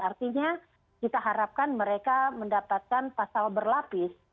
artinya kita harapkan mereka mendapatkan pasal berlapis